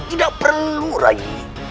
tidak perlu rayi